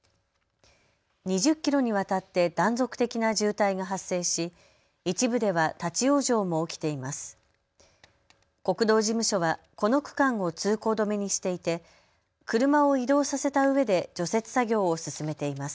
２０キロにわたって断続的な渋滞が発生し、一部では立往生も起きています。